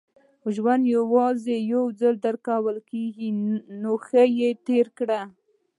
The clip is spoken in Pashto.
• ژوند یوازې یو ځل درکول کېږي، نو ښه یې تېر کړه.